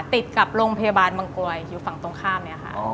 ติดกับโรงพยาบาลมังกลวยอยู่ฝั่งตรงข้ามเนี่ยค่ะ